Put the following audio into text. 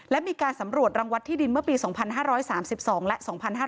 และมีการสำรวจรังวัดที่ดินเมื่อปี๒๕๓๒และ๒๕๕๙